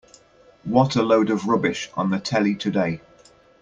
What a load of rubbish on the telly today.